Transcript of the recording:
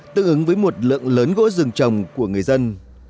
tương ứng với một lượng lớn gỗ rừng trồng của người dân